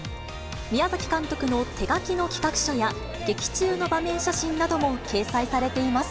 宮崎監督の手書きの企画書や、劇中の場面写真なども掲載されています。